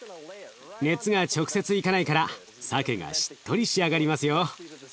熱が直接行かないからさけがしっとり仕上がりますよ。